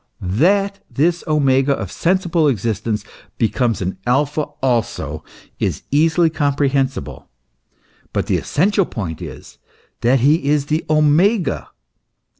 That this Omega of sensible existence be comes an Alpha also, is easily comprehensible ; but the essen tial point is, that he is the Omega.